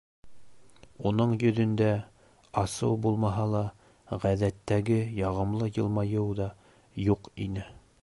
Уның йөҙөндә, асыу булмаһа ла, ғәҙәттәге яғымлы йылмайыу ҙа юҡ ине.